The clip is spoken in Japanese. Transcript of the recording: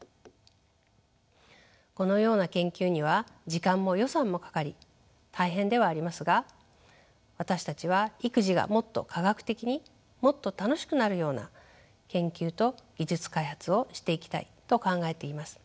このような研究には時間も予算もかかり大変ではありますが私たちは育児がもっと科学的にもっと楽しくなるような研究と技術開発をしていきたいと考えています。